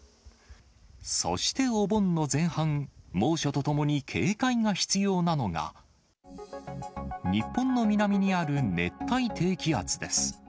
そしてお盆の前半、猛暑とともに警戒が必要なのが、日本の南にある熱帯低気圧です。